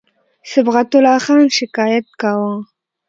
صبغت الله خان شکایت کاوه.